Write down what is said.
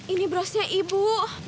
ini brosnya ibu